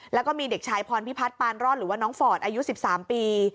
แล้วก็มีเด็กชายพรพิพัฒน์ปานรอดหรือว่าน้องฟอร์ดอายุ๑๓ปี